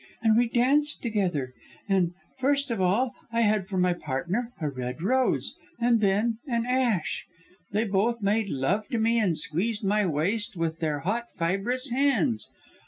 And we danced together and, first of all, I had for my partner, a red rose and then, an ash. They both made love to me, and squeezed my waist with their hot, fibrous hands.